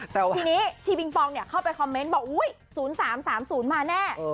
ทีนี้ชีบิงปองเข้าไปคอมเมนต์บอก๐๓๓๐มาแน่